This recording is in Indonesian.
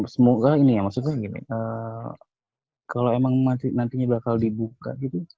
semoga ini maksudnya gini kalau emang nantinya bakal dibuka